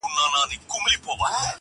په خامه خوله وعده پخه ستایمه,